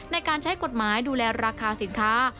ในการใช้กฎหมายดูแลราคาสินค้า